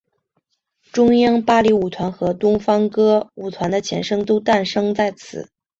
中央芭蕾舞团和东方歌舞团的前身都诞生在此。